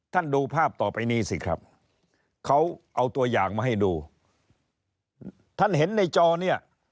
ดูภาพต่อไปนี้สิครับเขาเอาตัวอย่างมาให้ดูท่านเห็นในจอเนี่ย